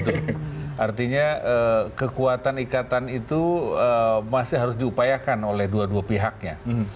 artinya kekuatan ikatan itu masih harus diupayakan oleh dua dua pihaknya